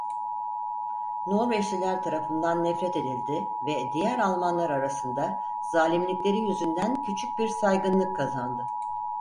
Norveçliler tarafından nefret edildi ve diğer Almanlar arasında zalimlikleri yüzünden küçük bir saygınlık kazandı.